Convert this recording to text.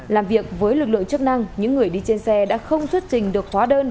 làm việc với lực lượng chức năng những người đi trên xe đã không xuất trình được hóa đơn